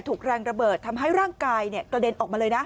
ถูกแรงระเบิดทำให้ร่างกายกระเด็นออกมาเลยนะ